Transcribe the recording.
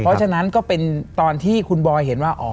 เพราะฉะนั้นก็เป็นตอนที่คุณบอยเห็นว่า